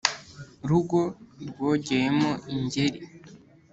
Rugo rwogeyemo Ingeri,